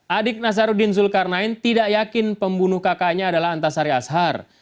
adik nazaruddin zulkarnain tidak yakin pembunuh kakaknya adalah antasari ashar